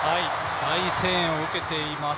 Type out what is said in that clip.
大声援を受けています。